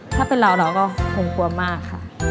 ถ้าเป็นเราเราก็คงกลัวมากค่ะ